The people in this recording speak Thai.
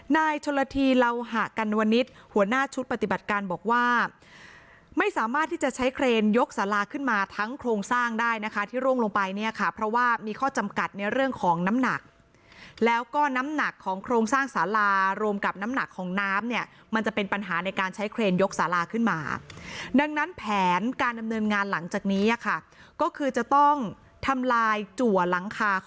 นายชนละทีเหล่าหะกันวณิชย์หัวหน้าชุดปฏิบัติการบอกว่าไม่สามารถที่จะใช้เครนยกสาราขึ้นมาทั้งโครงสร้างได้นะคะที่ร่วงลงไปเนี่ยค่ะเพราะว่ามีข้อจำกัดในเรื่องของน้ำหนักแล้วก็น้ำหนักของโครงสร้างสารารวมกับน้ำหนักของน้ำเนี่ยมันจะเป็นปัญหาในการใช้เครนยกสาราขึ้นมาดังนั้นแผนการดำเนินงานหลังจากนี้ค่ะก็คือจะต้องทำลายจั่วหลังคาค